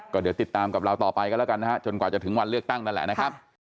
ก็เดี๋ยวติดตามกับเราต่อไปกันแล้วกันนะฮะจนกว่าจะถึงวันเลือกตั้งนั่นแหละนะครับ